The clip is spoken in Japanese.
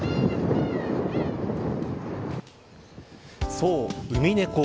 そう、ウミネコ。